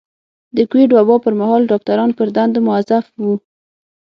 د کوويډ وبا پر مهال ډاکټران پر دندو مؤظف وو.